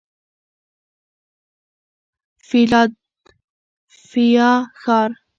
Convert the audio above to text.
فیلادلفیا ښار